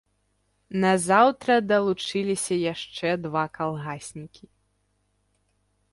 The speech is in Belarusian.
Назаўтра далучыліся яшчэ два калгаснікі.